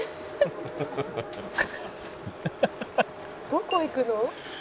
「どこ行くの？」